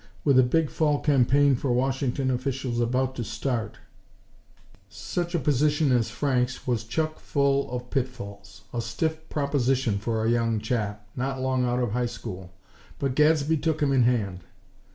With a big Fall campaign for Washington officials about to start, such a position as Frank's was chuck full of pitfalls; a stiff proposition for a young chap, not long out of High School. But Gadsby took him in hand.